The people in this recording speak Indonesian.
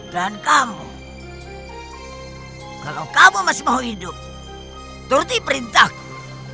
dan kamu kalau kamu masih mau hidup turuti perintahku